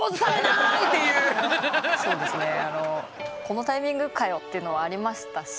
このタイミングかよ！というのはありましたし。